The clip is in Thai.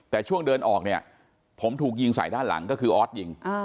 แต่ช่วงเดินออกเนี่ยผมถูกยิงใส่ด้านหลังก็คือออสยิง